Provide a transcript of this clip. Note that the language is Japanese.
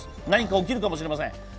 何か起きるかもしれません。